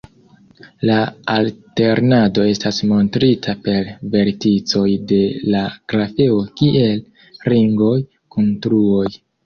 La alternado estas montrita per verticoj de la grafeo kiel ringoj kun truoj.